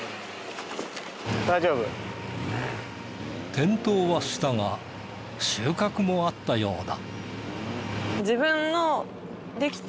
転倒はしたが収穫もあったようだ。